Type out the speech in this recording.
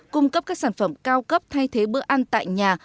cung cấp các sản phẩm cao cấp thay thế bữa ăn tại nhà